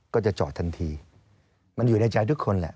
ก็จะจอดทันทีมันอยู่ในใจทุกคนแหละ